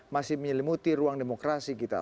masih menyelimuti ruang demokrasi kita